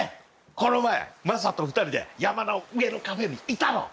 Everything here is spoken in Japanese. この前マサと２人で山の上のカフェにいたろ？